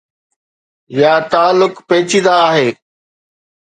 يا تعلق پيچيده آهي.